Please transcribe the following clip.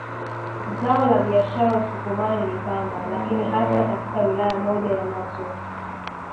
Zao la biashara Usukumani ni pamba lakini hasa katika wilaya moja ya Maswa